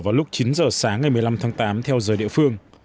vào lúc chín giờ sáng ngày một mươi năm tháng tám theo giờ địa phương